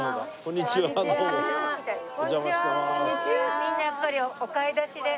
みんなやっぱりお買い出しで。